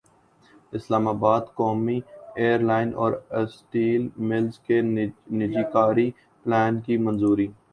اسلام باد قومی ایئرلائن اور اسٹیل ملزکے نجکاری پلان کی منظوری